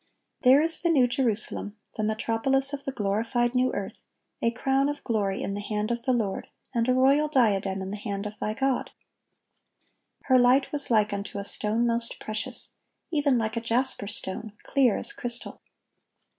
(1185) There is the New Jerusalem, the metropolis of the glorified new earth, "a crown of glory in the hand of the Lord, and a royal diadem in the hand of thy God."(1186) "Her light was like unto a stone most precious, even like a jasper stone, clear as crystal."